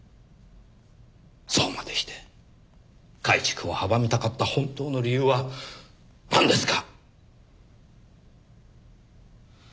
そうまでして改築を阻みたかった本当の理由はなんですか？